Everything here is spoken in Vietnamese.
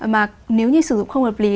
mà nếu như sử dụng không hợp lý